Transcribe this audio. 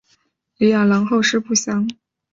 李雅郎后事不详。